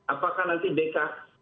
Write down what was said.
apakah nanti bk